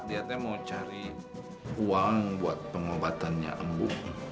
tidak ada yang mau cari uang buat pengobatannya ambo